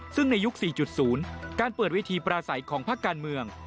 ซึ่งในยุค๔๐การเปิดเวทีปราศัยของภาคการเมือง